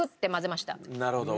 なるほど。